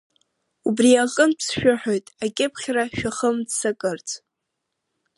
Убри аҟынтә сшәыҳәоит акьыԥхьра шәахымццакырц…